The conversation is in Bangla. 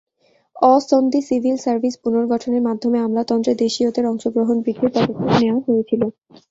অ-সনদী সিভিল সার্ভিস পুনর্গঠনের মাধ্যমে আমলাতন্ত্রে দেশিয়দের অংশগ্রহণ বৃদ্ধির পদক্ষেপ নেয়া হয়েছিল।